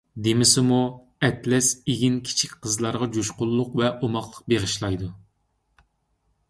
دېمىسىمۇ، ئەتلەس ئېگىن كىچىك قىزلارغا جۇشقۇنلۇق ۋە ئوماقلىق بېغىشلايدۇ.